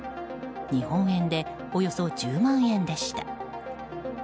日本円でおよそ１０万円でした。